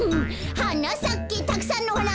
「はなさけたくさんのはな」